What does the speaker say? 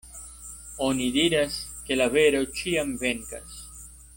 Oni diras, ke la vero ĉiam venkas.